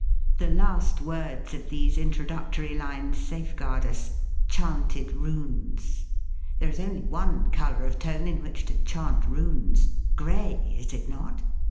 The last words of these introductory lines safeguard us "chanted runes." There is only one color of tone in which to "chant runes." Gray, is it not?